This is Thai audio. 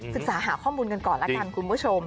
ศึกษาหาข้อมูลกันก่อนละกันคุณผู้ชม